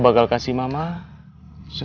mama masih banyak rc